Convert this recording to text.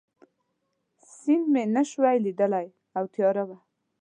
سیند مې نه شوای لیدای او تیاره وه.